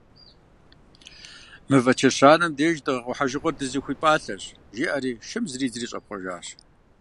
«Мывэ чэщанэм деж дыгъэ къухьэжыгъуэр зыхудипӏалъэщ», жиӏэри, шым зридзыри щӏэпхъуэжащ.